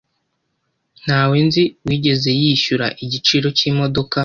Ntawe nzi wigeze yishyura igiciro cyimodoka.